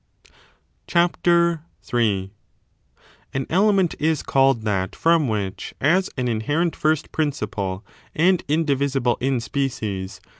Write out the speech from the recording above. CHAPTER III. An element^ is called that from which, as an i. Different inherent first principle and indivisible in species, JhS°t?